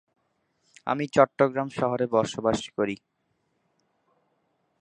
ব্যবহারকারীরা সরাসরি তাদের অঞ্চল বা সারা বিশ্বের ব্যবহারকারীদের বার্তা দিতে পারে।